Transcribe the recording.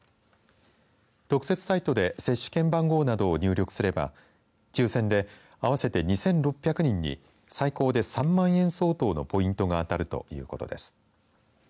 特設サイトで接種券番号などを入力すれば抽選で合わせて２６００人に最高で３万円相当のポイントが当たるということです。